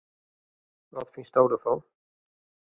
Wat fynsto derfan?